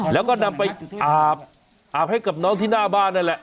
แล้วก็นำไปอาบให้กับน้องที่หน้าบ้านนั่นแหละ